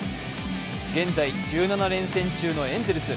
現在１７連戦中のエンゼルス。